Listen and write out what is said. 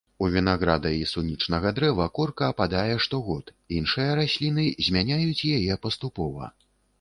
У вінаграда і сунічнага дрэва корка ападае штогод, іншыя расліны змяняюць яе паступова.